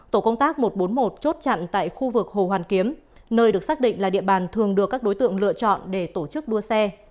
tổ công tác một trăm bốn mươi một chốt chặn tại khu vực hồ hoàn kiếm nơi được xác định là địa bàn thường được các đối tượng lựa chọn để tổ chức đua xe